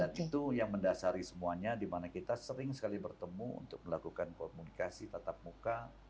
dan itu yang mendasari semuanya dimana kita sering sekali bertemu untuk melakukan komunikasi tatap muka